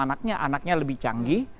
anaknya anaknya lebih canggih